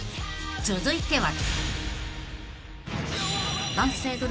［続いては］